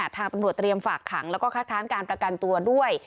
ทางปรับบิทยาธิดฟักขังและค้ากร้านการประกันตัวด้วย